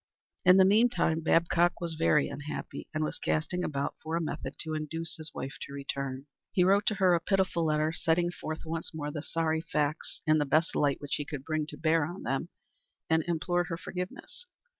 In the meantime Babcock was very unhappy, and was casting about for a method to induce his wife to return. He wrote to her a pitiful letter, setting forth once more the sorry facts in the best light which he could bring to bear on them, and implored her forgiveness.